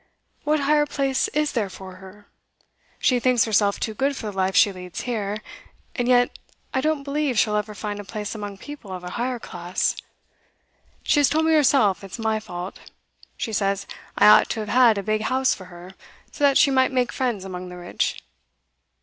'What higher place is there for her? She thinks herself too good for the life she leads here, and yet I don't believe she'll ever find a place among people of a higher class. She has told me herself it's my fault. She says I ought to have had a big house for her, so that she might make friends among the rich.